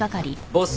ボス